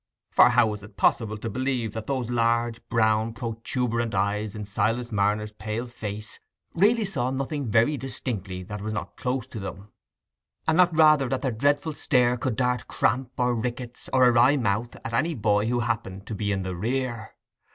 For how was it possible to believe that those large brown protuberant eyes in Silas Marner's pale face really saw nothing very distinctly that was not close to them, and not rather that their dreadful stare could dart cramp, or rickets, or a wry mouth at any boy who happened to be in the rear?